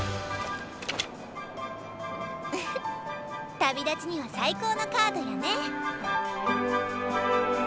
旅立ちには最高のカードやね。